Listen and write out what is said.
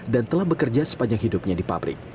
dan telah bekerja sepanjang hidupnya di pabrik